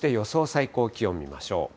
最高気温見ましょう。